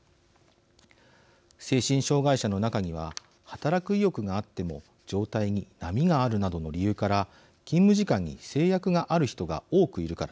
精神障害者の中には働く意欲があっても状態に波があるなどの理由から勤務時間に制約がある人が多くいるからです。